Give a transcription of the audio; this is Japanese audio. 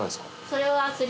それは。